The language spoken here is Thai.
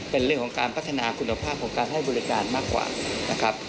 เป็นเรื่องของการพัฒนาคุณภาพของการให้บริการมากกว่านะครับ